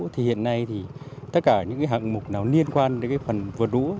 thì hiện nay thì tất cả những hạng mục nào liên quan đến cái phần vượt nũ